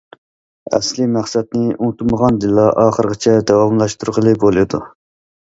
ئەسلىي مەقسەتنى ئۇنتۇمىغاندىلا، ئاخىرغىچە داۋاملاشتۇرغىلى بولىدۇ.